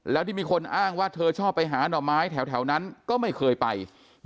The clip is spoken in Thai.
แล้วที่มีคนอ้างว่าเธอชอบไปหาหน่อไม้แถวนั้นก็ไม่เคยไป